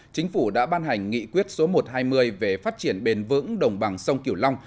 chính phủ đã ban hành nghị quyết số một trăm hai mươi về phát triển bền vững đồng bằng sông kiểu long